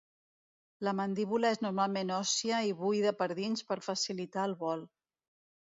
La mandíbula és normalment òssia i buida per dins per facilitar el vol.